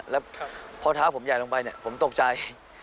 แล้วพอเท้าผมใหญ่ลงไปเนี่ยผมตกใจ